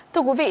thưa quý vị